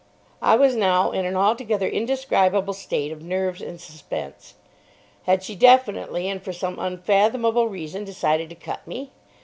I was now in an altogether indescribable state of nerves and suspense. Had she definitely and for some unfathomable reason decided to cut me?